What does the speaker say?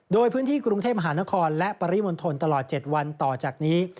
โดยพื้นที่กรุงเทพมหานครและปริมณฑลตลอด๗วันต่อจากนี้